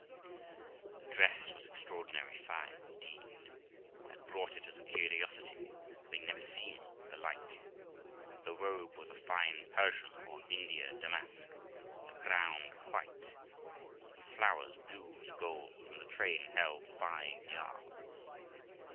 The dress was extraordinary fine indeed ; I had bought it as a curiosity, having never seen the like. The robe was a fine Persian or India damask, the ground white, and the flowers blue and gold, and the train held five yards.